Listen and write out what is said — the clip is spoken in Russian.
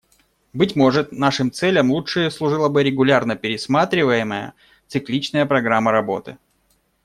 Быть может, нашим целям лучше служила бы регулярно пересматриваемая цикличная программа работы.